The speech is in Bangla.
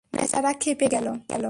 বেচারা খেপে গেল।